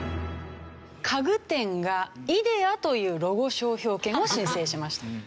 家具店がイデアというロゴ商標権を申請しました。